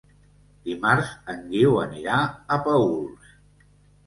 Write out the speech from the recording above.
Dimarts en Guiu anirà a Paüls.